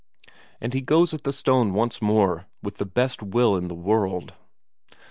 And he goes at the stone once more, with the best will in the world.